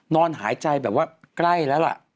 นอนหายใจแบบว่าใกล้แล้วล่ะ